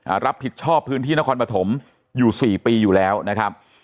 รับผิดชอบพื้นที่นครปฐมอยู่สี่ปีอยู่แล้วนะครับ